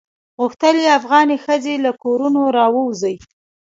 غوښتل یې افغان ښځې له کورونو راووزي.